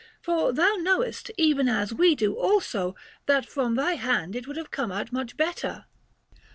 For thou knowest, even as we do also, that from thy hands it would have come out much better."